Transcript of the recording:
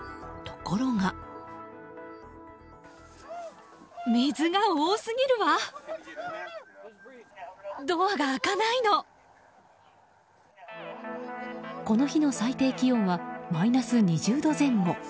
この日の最低気温はマイナス２０度前後。